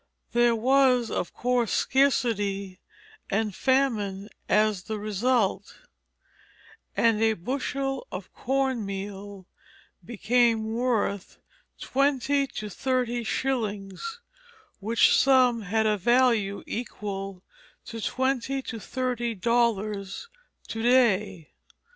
There was, of course, scarcity and famine as the result; and a bushel of corn meal became worth twenty to thirty shillings, which sum had a value equal to twenty to thirty dollars to day.